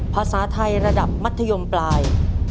ภาษาไทยระดับมัธยมปลาย